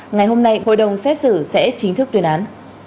ngày hôm nay hội đồng xét xử sẽ chính thức tuyên án